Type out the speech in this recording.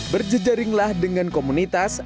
berjejaringlah dengan komunitas